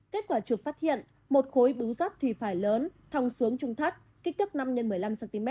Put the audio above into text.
kết quả chụp phát hiện một khối bú giáp thủy phải lớn thòng xuống trung thắt kích thước năm x một mươi năm cm